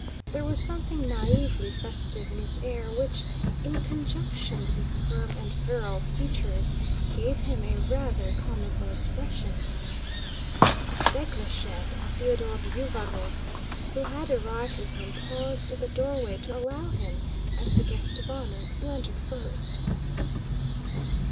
There was something naïvely festive in his air, which, in conjunction with his firm and virile features, gave him a rather comical expression. Bekleshëv and Theodore Uvárov, who had arrived with him, paused at the doorway to allow him, as the guest of honor, to enter first.